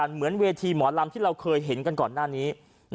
เหมือนเวทีหมอรัมท์ที่เราเห็นก่อนหน้านี้